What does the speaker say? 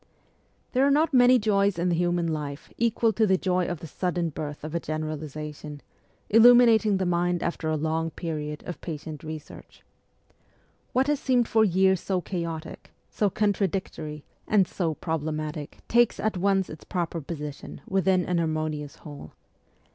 There are not many joys in human life equal to the joy of the sudden birth of a generalization, illuminating the mind after a long period of patient research. What has seemed for years so chaotic, so contradictory, and so problematic takes at once its proper position within an harmonious whole.